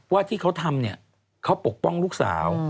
ว่าที่เขาทำเนี่ยเขาปกป้องลูกสาว